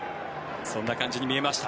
そんな感じに見えました。